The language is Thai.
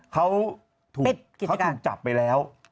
เขาถูกจับไปแล้ว